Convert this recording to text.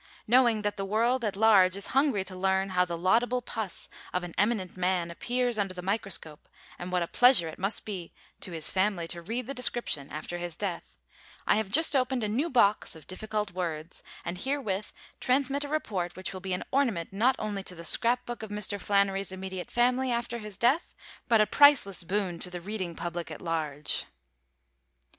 Knowing that the world at large is hungry to learn how the laudable pus of an eminent man appears under the microscope, and what a pleasure it must be to his family to read the description after his death, I have just opened a new box of difficult words and herewith transmit a report which will be an ornament not only to the scrap book of Mr. Flannery's immediate family after his death, but a priceless boon to the reading public at large.